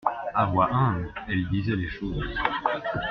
A voix humble, elle disait les choses.